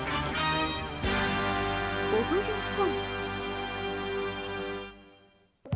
お奉行様？